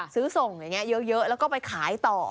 ซื้อส่งอย่างนี้เยอะแล้วก็ไปขายต่อ